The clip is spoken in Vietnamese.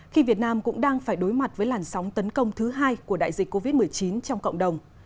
khi việt nam cũng đang phải đối mặt với làn sóng tấn công thứ hai của đại dịch covid một mươi chín trong cộng đồng